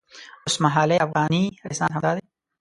اوسمهالی افغاني رنسانس همدا دی.